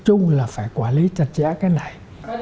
chung là phải quản lý chặt chẽ cái này